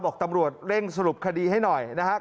บอกตำรวจเร่งสรุปคดีให้หน่อยนะครับ